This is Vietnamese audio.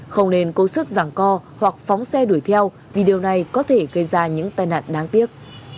không nên cố sức giảng co hoặc phóng xe đuổi theo vì điều này có thể gây ra những tai nạn đáng tiếc